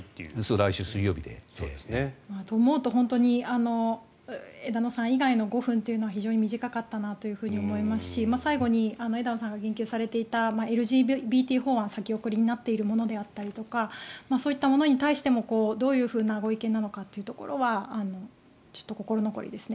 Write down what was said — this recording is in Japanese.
来週水曜日で。と思うと本当に枝野さん以外の５分というのは非常に短かったなというふうに思いますし最後に枝野さんが言及されていたＬＧＢＴ法案が先送りになっているものであったりとかそういったものに対してもどういうご意見なのかというところはちょっと心残りですね。